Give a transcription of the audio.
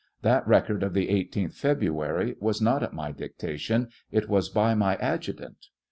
That record of the 18th February was not at my dictation ; it was by my adjutant.